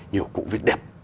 nhiều cụ viết đẹp